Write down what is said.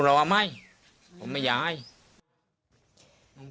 รอไหมผมไม่อยากให้